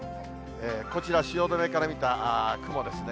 こちら、汐留から見た雲ですね。